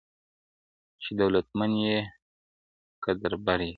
چي دولتمند یې که دربدر یې-